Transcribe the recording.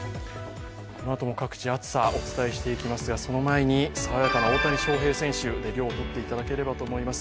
このあとも各地、暑さお伝えしていきますがその前に、爽やかな大谷翔平選手で涼を取っていただければと思います。